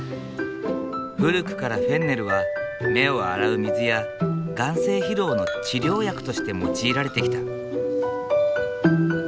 古くからフェンネルは目を洗う水や眼精疲労の治療薬として用いられてきた。